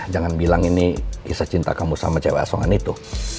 jangan bilang ini kisah cinta kamu sama cewek asongan itu